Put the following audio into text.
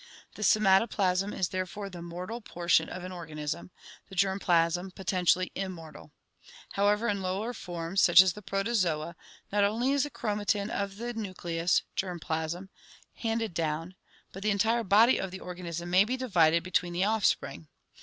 The somatoplasm is therefore the mortal portion of an organism; the germ plasm potentially immortal. However, in lower forms, such as the Protozoa, not only is the chromatin of the nucleus (germ plasm) handed down, but the entire body of the organism may be divided between the offspring.